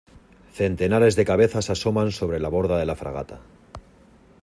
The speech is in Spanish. centenares de cabezas asoman sobre la borda de la fragata